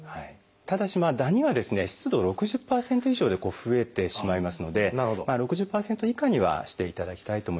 ただしダニはですね湿度６０％以上で増えてしまいますので６０％以下にはしていただきたいと思います。